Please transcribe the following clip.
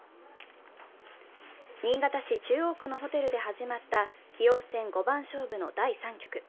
新潟市中央区のホテルで始まった棋王戦五番勝負の第３局。